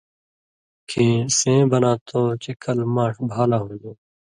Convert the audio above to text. کھیں سیں بناں تھُو چے کل ماݜ بھا لا ہُون٘دُوں